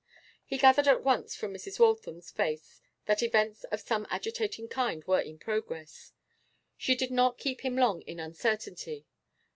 He gathered at once from Mrs. Waltham's face that events of some agitating kind were in progress. She did not keep him long in uncertainty.